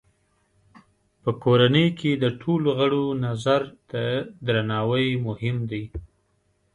په کورنۍ کې د ټولو غړو نظر ته درناوی مهم دی.